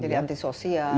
jadi anti sosial